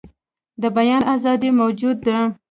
د بیان آزادي موجوده ده.